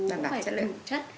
cũng phải là đủ chất